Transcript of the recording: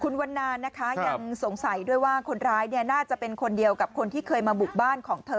คุณวันนานนะคะยังสงสัยด้วยว่าคนร้ายน่าจะเป็นคนเดียวกับคนที่เคยมาบุกบ้านของเธอ